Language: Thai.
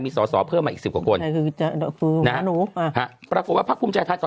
มีสอเพิ่มมาอีก๑๐กว่าคนนะปรากฏว่าภาคภูมิใจไทยตอน